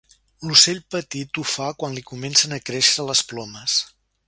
L'ocell petit ho fa quan li comencen a créixer les plomes.